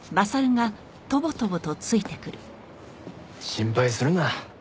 心配するな。